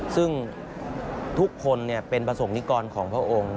ซึ่งทุกคนเป็นประสงค์นิกรของพระองค์